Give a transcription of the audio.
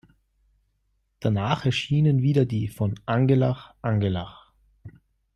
Danach erschienen wieder die von Angelach-Angelach.